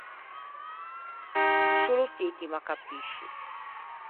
Solo ti ti m’accapisci.